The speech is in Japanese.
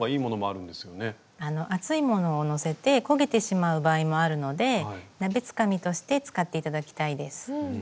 あの熱いものを載せて焦げてしまう場合もあるので鍋つかみとして使って頂きたいです。